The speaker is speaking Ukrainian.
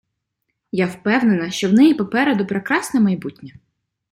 Я впевнена, що в неї попереду прекрасне майбутнє.